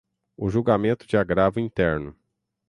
o julgamento de agravo interno;